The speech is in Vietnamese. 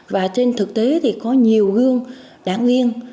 và trên thực tế thì có nhiều gương đảng viên